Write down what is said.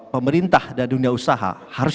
pemerintah dan dunia usaha harus